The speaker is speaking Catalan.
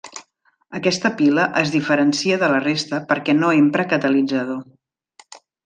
Aquesta pila es diferencia de la resta perquè no empra catalitzador.